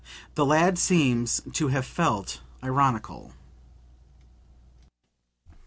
The lad seems to have felt ironical.)